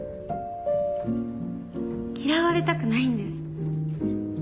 嫌われたくないんです。